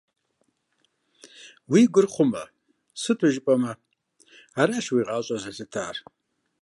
Уи гур хъумэ, сыту жыпӀэмэ аращ уи гъащӀэр зэлъытар.